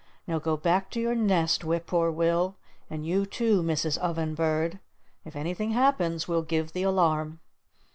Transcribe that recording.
"Now go back to your nest Whip Poor Will, and you, too, Mrs. Oven Bird. If anything happens we'll give the alarm."